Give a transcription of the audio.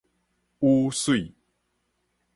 雨水